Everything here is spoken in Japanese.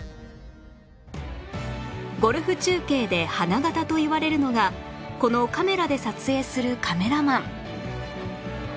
ゴルフ中継で花形と言われるのがこのカメラで撮影するカメラマン